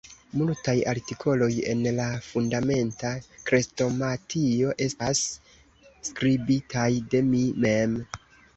Multaj artikoloj en la Fundamenta Krestomatio estas skribitaj de mi mem.